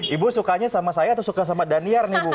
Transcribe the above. ibu sukanya sama saya atau suka sama daniar nih bu